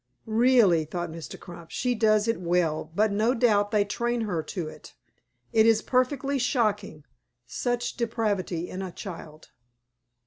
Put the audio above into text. "Really," thought Mr. Crump, "she does it well, but no doubt they train her to it. It is perfectly shocking, such depravity in a child."